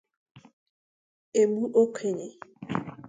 egbu okenye